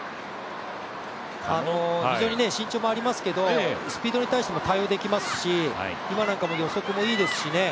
非常に身長もありますけど、スピードに対しても対応できますし、今なんかも予測もいいですしね。